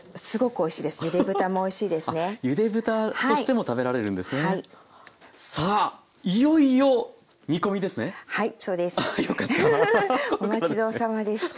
お待ちどおさまでした。